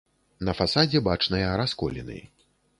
На фасадзе бачныя расколіны.